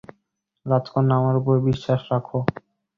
রাজকন্যা, আমার উপর বিশ্বাস রাখো।